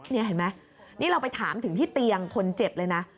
นี่เห็นไหมนี่เราไปถามถึงที่เตียงคนเจ็บเลยนะ